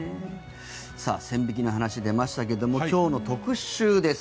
線引きの話が出ましたが今日の特集です。